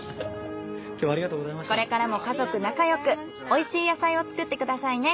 これからも家族仲よく美味しい野菜を作ってくださいね。